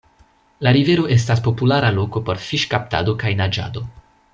La rivero estas populara loko por fiŝkaptado kaj naĝado.